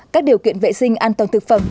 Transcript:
các điều kiện vệ sinh an toàn thực phẩm